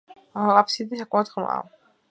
აფსიდი საკმაოდ ღრმაა.